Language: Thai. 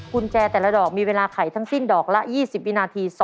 กุญแจแต่ละดอกมีเวลาไขทั้งสิ้นดอกละ๒๐วินาที